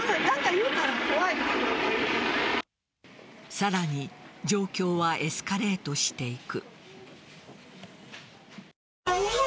さらに状況はエスカレートしていく。